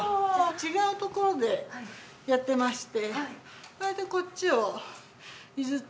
違うところでやってまして。